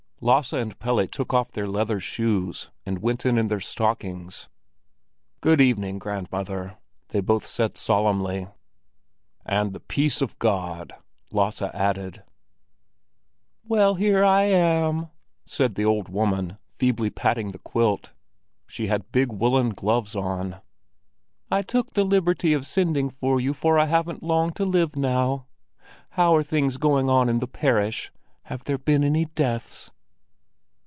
Lasse and Pelle took off their leather shoes and went in in their stockings. "Good evening, grandmother!" they both said solemnly, "and the peace of God!" Lasse added. "Well, here I am," said the old woman, feebly patting the quilt. She had big woollen gloves on. "I took the liberty of sending for you for I haven't long to live now. How are things going on in the parish? Have there been any deaths?"